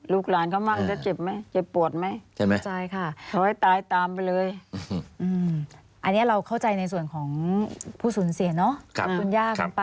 ลูกหลานก็มั่งจะเจ็บไหมเจ็บปวดไหม